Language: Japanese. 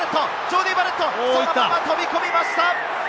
ジョーディー・バレット、そのまま飛び込みました！